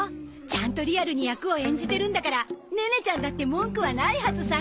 ちゃんとリアルに役を演じてるんだからネネちゃんだって文句はないはずさ。